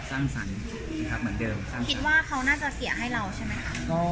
สร้างสรรค์นะครับเหมือนเดิมครับคิดว่าเขาน่าจะเสียให้เราใช่ไหมคะ